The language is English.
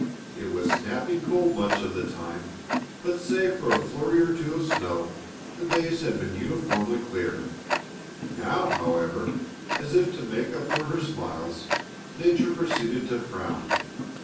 It was snapping cold much of the time but save for a flurry or two of snow, the days had been uniformly clear. Now, however, as if to make up for her smiles, Nature proceeded to frown.